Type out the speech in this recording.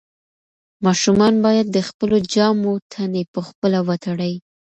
ماشومان باید د خپلو جامو تڼۍ پخپله وتړي.